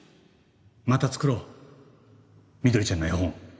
また作ろうみどりちゃんの絵本